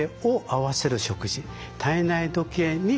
合わせる食事体内時計「に」